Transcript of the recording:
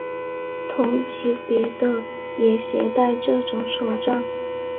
同级别的也携带这种手杖。